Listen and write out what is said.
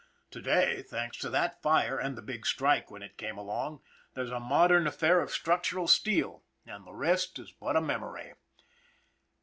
To day, thanks to that fire and the Big Strike when it came along, there's a mod ern affair of structural steel and the rest is but a mem ory.